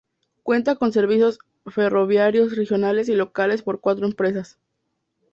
Cuenta con servicios ferroviarios regionales y locales por cuatro empresas.